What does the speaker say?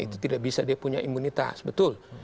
itu tidak bisa dia punya imunitas betul